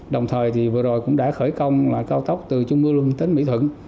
đồng thời thì vừa rồi cũng đã khởi công lại cao tốc từ trung mưu luân đến mỹ thuận